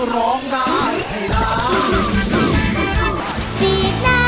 ร้องดาให้ดา